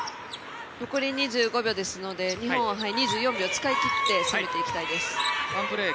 残り２５秒ですので日本は２４秒使い切って攻めていきたいです。